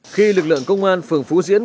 khi lực lượng công an phường phú diễn